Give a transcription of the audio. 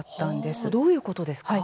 どういうことですか。